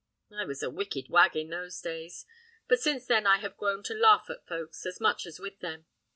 I was a wicked wag in those days; but since then I have grown to laugh at folks as much as with them.